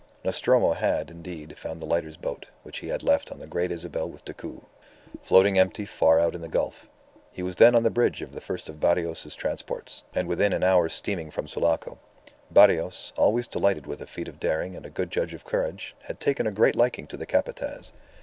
Nostromo had, indeed, found the lighter's boat, which he had left on the Great Isabel with Decoud, floating empty far out in the gulf. He was then on the bridge of the first of Barrios's transports, and within an hour's steaming from Sulaco. Barrios, always delighted with a feat of daring and a good judge of courage, had taken a great liking to the Capataz.